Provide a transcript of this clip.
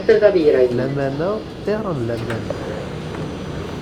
Lamana ṭṭir n lamana.